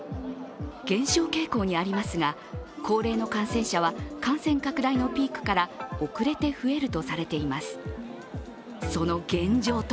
減少傾向にありますが高齢の感染者は感染拡大のピークから都内で在宅医療を行う任医師。